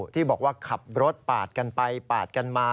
ที่บอกว่าขับรถปาดกันไปปาดกันมา